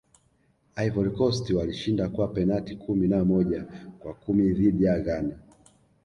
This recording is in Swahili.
ivory coast walishinda kwa penati kumi na moja kwa kumi dhidi ya ghana